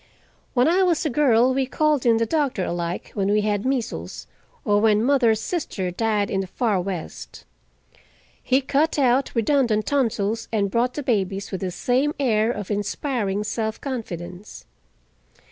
When I was a girl we called in the doctor alike when we had measles, or when mother's sister died in the far West. He cut out redundant tonsils and brought the babies with the same air of inspiring self confidence.